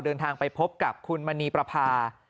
เดินทางไปพบกับคุณมณีประพา